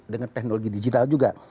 dengan teknologi digital juga